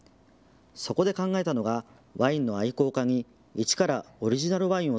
そこで考えたのがワインの愛好家に一からオリジナルワインを